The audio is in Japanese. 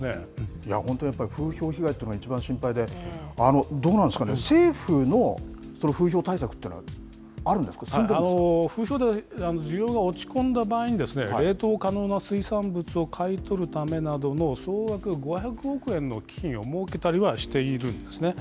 いや、本当にやっぱり、風評被害っていうのはやっぱり一番心配で、どうなんですかね、政府のこの風評対策というのはあるんですか、風評で需要が落ち込んだ場合に、冷凍可能な水産物を買い取るためなどの総額５００億円の基金を設けたりはしているんですね。